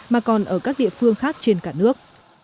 mà còn ở các địa phương khác trên cả nước